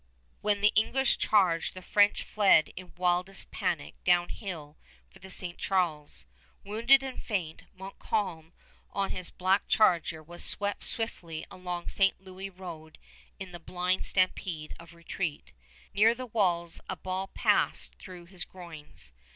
When the English charged, the French fled in wildest panic downhill for the St. Charles. Wounded and faint, Montcalm on his black charger was swept swiftly along St. Louis road in the blind stampede of retreat. Near the walls a ball passed through his groins.